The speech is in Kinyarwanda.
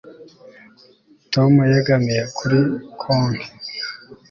Tom yegamiye kuri konti